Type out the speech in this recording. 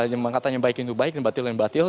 yang mengatakan yang baik itu baik dan batil batil